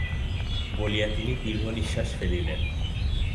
বলিয়া তিনি দীর্ঘনিশ্বাস ফেলিলেন।